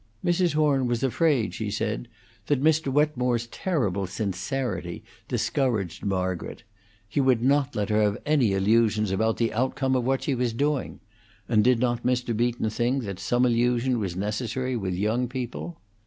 Mrs. Horn was afraid, she said, that Mr. Wetmore's terrible sincerity discouraged Margaret; he would not let her have any illusions about the outcome of what she was doing; and did not Mr. Beaton think that some illusion was necessary with young people?